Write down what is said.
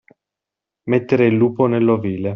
Mettere il lupo nell'ovile.